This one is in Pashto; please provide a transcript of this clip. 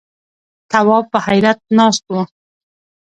تواب په حيرت ناست و.